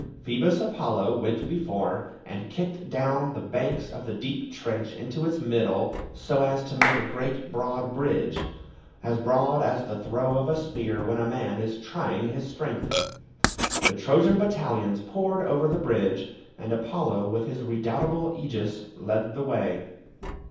Phoebus Apollo went before, and kicked down the banks of the deep trench into its middle so as to make a great broad bridge, as broad as the throw of a spear when a man is trying his strength. The Trojan battalions poured over the bridge, and Apollo with his redoubtable aegis led the way.